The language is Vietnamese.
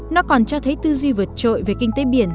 nó còn cho thấy tư duy vượt trội về kinh tế biển